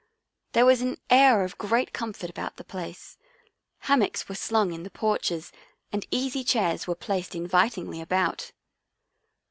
There was an air of great com fort about the place. Hammocks were slung in the porches and easy chairs were placed invi tingly about.